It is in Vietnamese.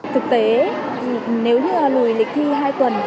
thực tế nếu như lùi lịch thi hai tuần